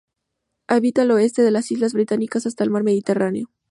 Habita al oeste de las islas británicas hasta el mar Mediterráneo.